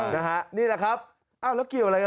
ใช่นี่แหละครับ